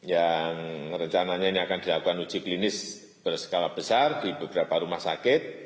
yang rencananya ini akan dilakukan uji klinis berskala besar di beberapa rumah sakit